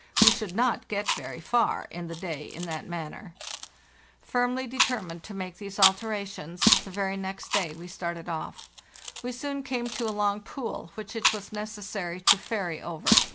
We should not get very far in the day in that manner. 286 FARTHEST NORTH "Firmly determined to make these alterations, the very next day we started off. We soon came to a long pool, which it was necessary to ferry over.